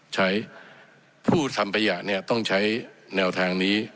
ใช้ผู้ทำขยะเนี่ยต้องใช้แนวทางนี้